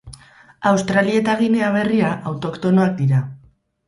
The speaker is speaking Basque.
Australia eta Ginea Berria autoktonoak dira.